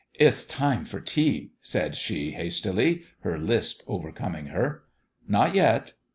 " It'th time for tea," said she, hastily, her lisp overcoming her. " Not yet."